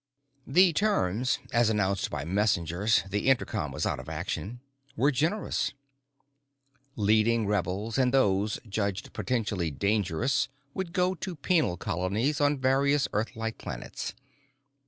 The terms, as announced by messengers the intercom was out of action were generous. Leading rebels and those judged potentially "dangerous" would go to penal colonies on various Earthlike planets.